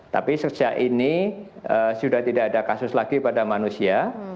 tapi sejak ini sudah tidak ada kasus lagi pada manusia